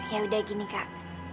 yaudah gini kak